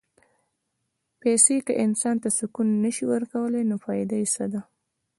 پېسې که انسان ته سکون نه شي ورکولی، نو فایده یې څه ده؟